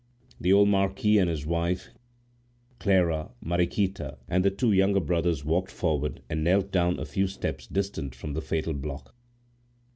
The old marquis and his wife, Clara, Mariquita, and the two younger brothers walked forward and knelt down a few steps distant from the fatal block.